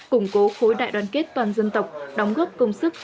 củng cố khối đại đoàn kết toàn dân tộc đóng góp công sức